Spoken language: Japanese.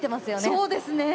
そうですねえ！